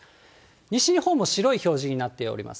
西日本も白い表示になっています。